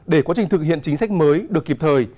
để quá trình thực hiện chính sách mới được kịp thời